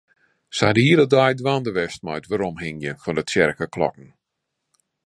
Se hawwe de hiele dei dwaande west mei it weromhingjen fan de tsjerkeklokken.